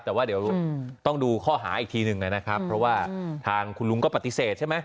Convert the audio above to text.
แต่ว่าเดี๋ยวต้องดูข้อหาอีกทีหนึ่งนะครับเพราะว่าทางคุณลุงก็ปฏิเสธใช่ไหม